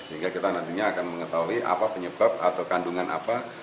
sehingga kita nantinya akan mengetahui apa penyebab atau kandungan apa